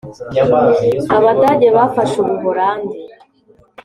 abadage bafashe ubuholandi!